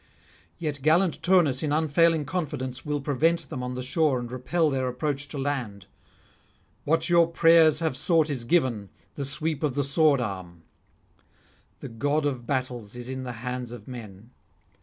Yet gallant Turnus in unfailing confidence will prevent them on the shore and repel their approach to land. 'What your prayers have sought is given, the sweep of the sword arm. The god of battles is in the hands of men.